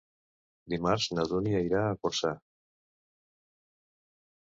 Dimarts na Dúnia irà a Corçà.